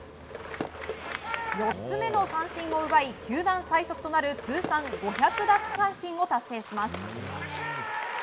４つ目の三振を奪い球団最速となる通算５００奪三振を達成します。